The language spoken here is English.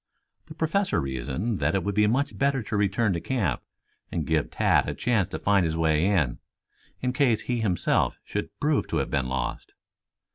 The Professor reasoned that it would be much better to return to camp and give Tad a chance to find his way in in case he himself should prove to have been lost.